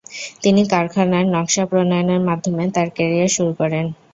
তিনি কারাখানার নকশা প্রণয়নের মাধ্যমে তার ক্যারিয়ার শুরু করেন।